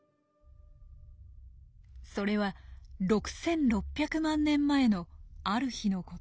それは６６００万年前のある日のこと。